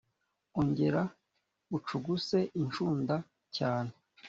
ongera ucuguse incunda cyane